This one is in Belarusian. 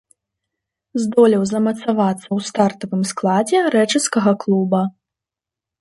Здолеў замацавацца ў стартавым складзе рэчыцкага клуба.